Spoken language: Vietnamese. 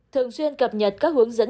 thường xuyên cập nhật các hướng dẫn